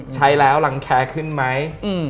ใช้แล้วรังแคร์ขึ้นไหม